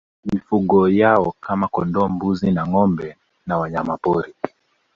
Mifugo yao kama kondoo mbuzi na ngoâmbe na wanyamapori